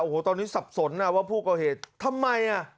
โอ้โหตอนนี้สับสนนะว่าผู้ก่อเหตุทำไมอ่ะ